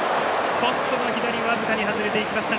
ポストの左僅かに外れていきました。